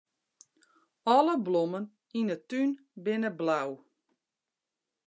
Alle blommen yn 'e tún binne blau.